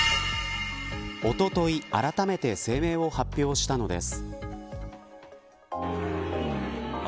おととい、あらためて声明を発表したのです。